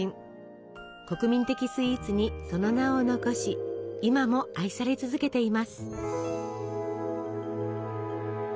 国民的スイーツにその名を残し今も愛され続けています。